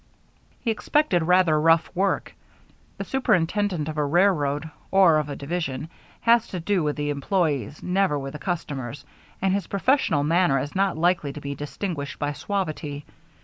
He expected rather rough work. The superintendent of a railroad, or of a division, has to do with the employees, never with the customers, and his professional manner is not likely to be distinguished by suavity.